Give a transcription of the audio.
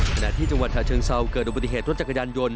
ขณะที่จังหวัดชาเชิงเซาเกิดอุบัติเหตุรถจักรยานยนต